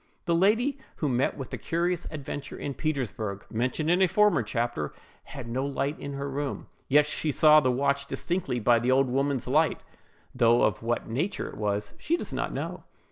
The lady who met with the curious adventure in Petersburgh, mentioned in a former chapter, had no light in her room; yet she saw the watch distinctly by the old woman's light, though of what nature it was, she does not know.